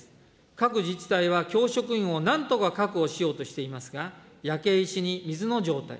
各自治体は教職員をなんとか確保しようとしていますが、焼け石に水の状態。